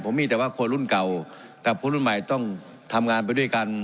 ผมมีแต่ว่าคนรุ่นเก่ากับคนรุ่นใหม่ต้องทำงานไปด้วยกัน